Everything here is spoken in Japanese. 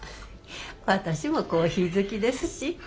私もコーヒー好きですし。